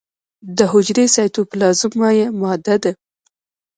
د حجرې سایتوپلازم مایع ماده ده